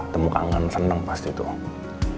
temu kangen seneng pasti tuh ya